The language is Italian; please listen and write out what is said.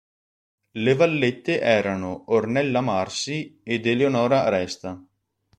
Le vallette erano Ornella Marsi ed Eleonora Resta.